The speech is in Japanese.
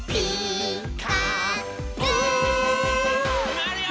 まわるよ。